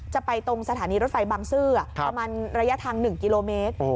จะไปตรงสถานีรถไฟบางซื่อประมาณระยะทาง๑กิโลเมตร